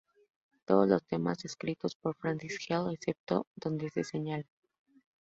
Todos los temas escritos por Francis Healy, excepto donde se señala.